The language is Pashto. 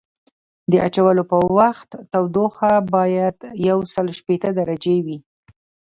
د اچولو په وخت تودوخه باید یوسل شپیته درجې وي